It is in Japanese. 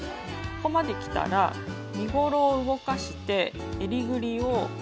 ここまできたら身ごろを動かしてえりぐりをまっすぐにします。